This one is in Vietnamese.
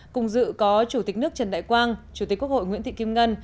cùng dự có chủ tịch nước trần đại quang chủ tịch quốc hội nguyễn thị kim ngân